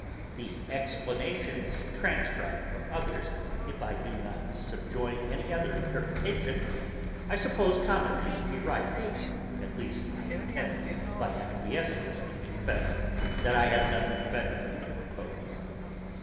The explanations transcribed from others, if I do not subjoin any other interpretation, I suppose commonly to be right, at least I intend by acquiescence to confess, that I have nothing better to propose.